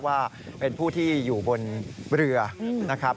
ว่าเป็นผู้ที่อยู่บนเรือนะครับ